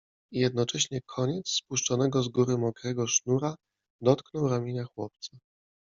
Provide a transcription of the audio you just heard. I jednocześnie koniec spuszczonego z góry mokrego sznura dotknął ramienia chłopca.